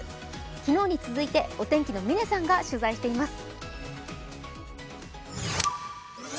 昨日に続いてお天気の嶺さんが取材しています。